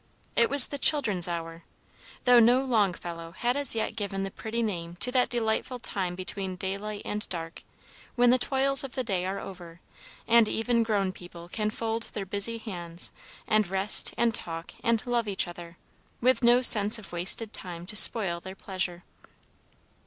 It was the "Children's Hour," though no Longfellow had as yet given the pretty name to that delightful time between daylight and dark, when the toils of the day are over, and even grown people can fold their busy hands and rest and talk and love each other, with no sense of wasted time to spoil their pleasure.